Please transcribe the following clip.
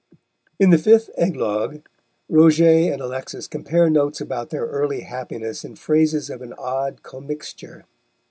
In the fifth "eglogue" Roget and Alexis compare notes about their early happiness in phrases of an odd commixture.